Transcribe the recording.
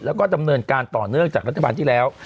แล้วก็ดำเนินการต่อเนื่องจากรัฐบาลที่แล้ว